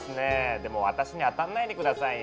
でも私に当たんないで下さいよ。